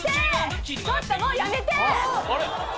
ちょっともうやめて！